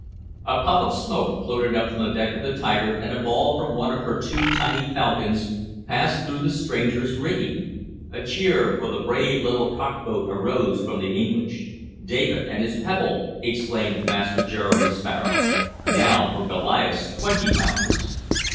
A puff of smoke floated up from the deck of the Tiger, and a ball from one of her two tiny falcons passed through the stranger's rigging. A cheer for the brave little cockboat arose from the English. "David and his pebble!" exclaimed Master Jeremy Sparrow. "Now for Goliath's twenty pounders!"